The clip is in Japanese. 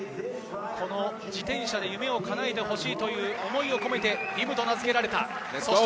自転車で夢をかなえてほしいという思いを込めて、輪夢と名付けられました。